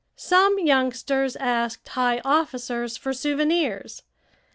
Some youngsters asked high officers for souvenirs.